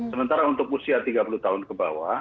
sementara untuk usia tiga puluh tahun ke bawah